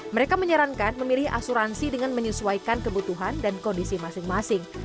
mereka menyarankan memilih asuransi dengan menyesuaikan kebutuhan dan kondisi masing masing